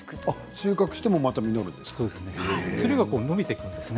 収穫してもまた実がなるんですね。